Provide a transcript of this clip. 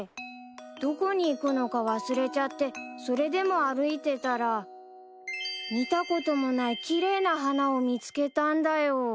どこに行くのか忘れちゃってそれでも歩いてたら見たこともない奇麗な花を見つけたんだよ。